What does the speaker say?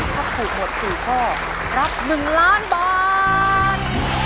ถ้าถูกหมด๔ข้อรับ๑ล้านบาท